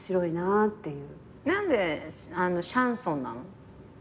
何でシャンソンなの？